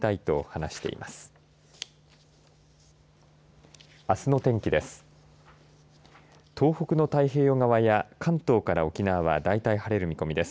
東北の太平洋側や関東から沖縄は大体、晴れる見込みです。